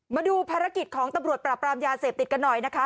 มาดูภารกิจของตำรวจปราบรามยาเสพติดกันหน่อยนะคะ